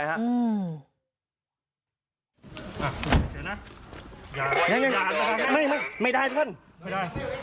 ใส่นะเดี๋ยวไงไม่ได้ครับ